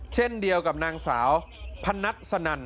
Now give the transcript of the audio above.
เช่นเดียวกับนางสาวพนัทสนั่น